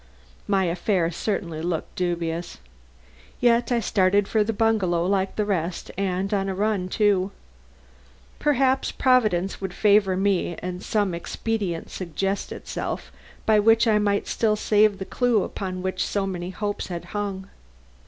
My affair certainly looked dubious. Yet I started for the bungalow like the rest, and on a run, too. Perhaps Providence would favor me and some expedient suggest itself by which I might still save the clue upon which so many hopes hung.